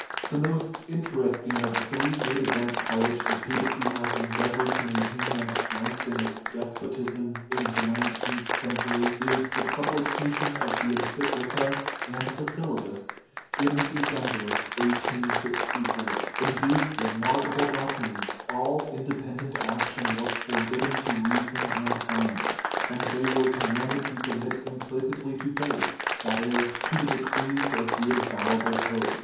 The most interesting of the three great events by which ttie papacy has endeavored to maintain and strengthen its despotism in the nineteenth century is the publication of the encyclica and the syllabus in December, 1864. In these remarkable documents all independent action was forbidden to reason and science, and they were commanded to submit implicitly to faith that is, to the decrees of the infallible pope.